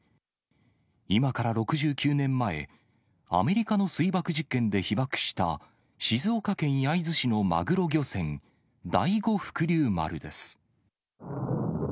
今から６９年前、アメリカの水爆実験で被ばくした静岡県焼津市のマグロ漁船、第五福竜丸です。